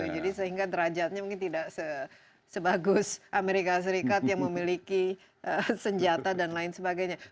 jadi sehingga derajatnya mungkin tidak sebagus amerika serikat yang memiliki senjata dan lain sebagainya